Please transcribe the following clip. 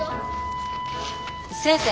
先生。